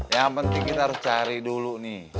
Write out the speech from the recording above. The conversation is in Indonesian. yang penting kita harus cari dulu nih